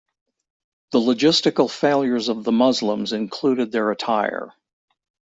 The logistical failures of the Muslims included their attire.